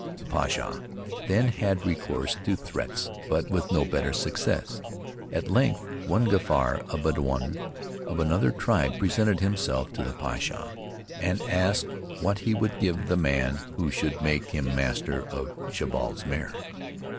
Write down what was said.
The Pacha then had recourse to threats, but with no better success. At length, one Gafar, a Bedouin of another tribe, presented himself to the Pacha, and asked what he would give the man who should make him master of Jabal's mare?